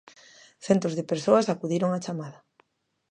Centos de persoas acudiron á chamada.